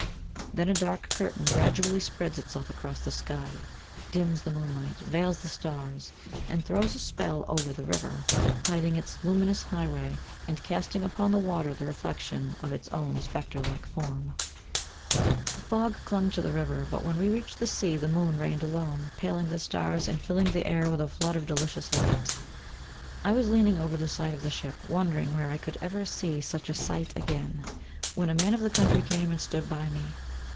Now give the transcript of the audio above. Then a dark curtain gradually spreads itself across the sky, dims the moonlight, veils the stars, and throws a spell over the river, hiding its luminous highway, and casting upon the water the reflection of its own spectre like form. The fog clung to the river, but when we reached the sea the moon reigned alone, paling the stars and filling the air with a flood of delicious light. I was leaning over the side of the ship, wondering where I could ever see such a sight again, when a man of the country came and stood by me.